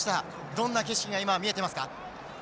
どんな景色が今見えていますか。